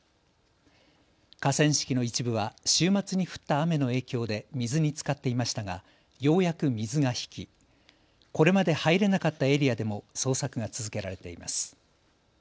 河川敷の一部は週末に降った雨の影響で水につかっていましたがようやく水が引きこれまで入れなかったエリアでも捜索が続けられています。